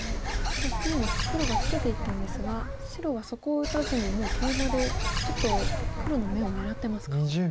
そして今黒がツケていったんですが白はそこを打たずにもうケイマでちょっと黒の眼を狙ってますか。